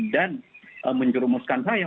dan mencurumuskan saya